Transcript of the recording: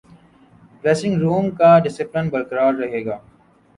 dressing room کا discipline برقرار رہے گا